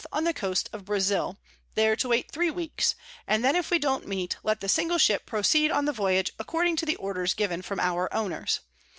on the Coast of Brazil, _there to wait three Weeks; and then if we don't meet, let the single Ship proceed on the Voyage, according to the Orders given from our Owners.